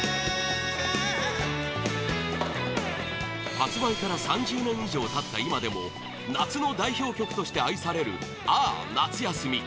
発売から３０年以上経った今でも夏の代表曲として愛される「あー夏休み」